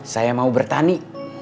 saya mau bertani